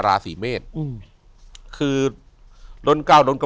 อยู่ที่แม่ศรีวิรัยิลครับ